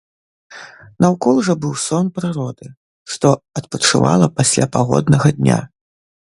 Наўкол жа быў сон прыроды, што адпачывала пасля пагоднага дня.